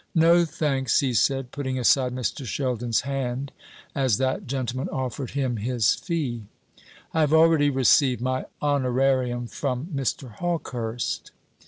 No, thanks," he said, putting aside Mr. Sheldon's hand as that gentleman offered him his fee. "I have already received my honorarium from Mr. Hawkehurst."